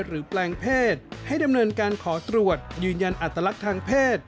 แปลงเพศให้ดำเนินการขอตรวจยืนยันอัตลักษณ์ทางเพศ